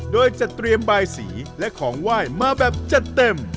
โดยจะเตรียมบายสีและของไหว้มาแบบจัดเต็ม